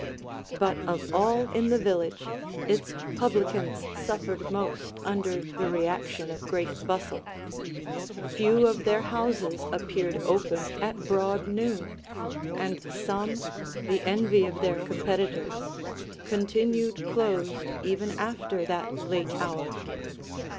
But of all in the village, its publicans suffered most under the reaction of great bustle. Few of their houses appeared open at broad noon; and some the envy of their competitors continued closed even after that late hour.